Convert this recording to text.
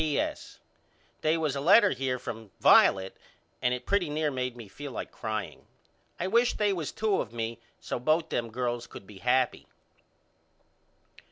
P.S. They was a letter here from Violet and it pretty near made me feel like crying. I wish they was two of me so both them girls could be happy.